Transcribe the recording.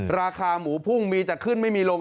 ราคาหมูพุ่งมีจะขึ้นไม่มีลง